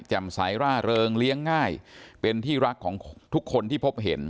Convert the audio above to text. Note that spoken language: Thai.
สายร่าเริงเลี้ยงง่ายเป็นที่รักของทุกคนที่พบเห็น